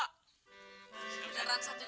berdarah satu juta